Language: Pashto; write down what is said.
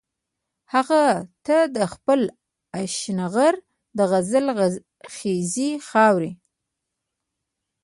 هغه ته د خپل اشنغر د غزل خيزې خاورې